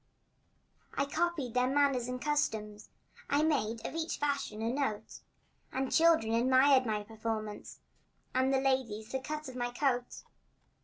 I copied their manners and customs I made of each fashion a note; And the children admired my performance And the ladies the cut of my coat.